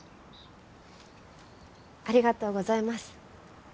ありがとうございます。